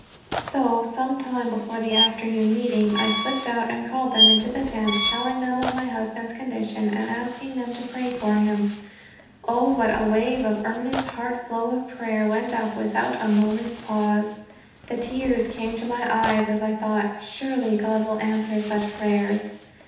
So, some time before the afternoon meeting I slipped out and called them into the tent, telling them of my husband's condition and asking them to pray for him. Oh, what a wave of earnest, heart overflow of prayer went up without a moment's pause! The tears came to my eyes as I thought, "Surely God will answer such prayers!"